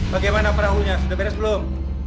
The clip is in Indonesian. bagaimana perahunya sudah beres belum